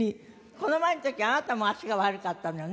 この前の時あなたも足が悪かったのよね。